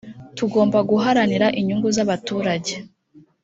tugomba guharanira inyungu zabaturage